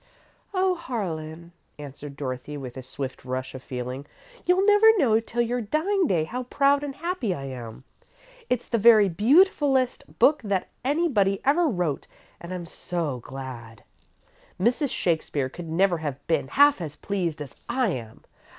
"Oh, Harlan," answered Dorothy, with a swift rush of feeling, "you'll never know till your dying day how proud and happy I am. It's the very beautifullest book that anybody ever wrote, and I'm so glad! Mrs. Shakespeare could never have been half as pleased as I am!